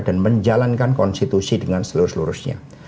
dan menjalankan konstitusi dengan seluruh seluruhnya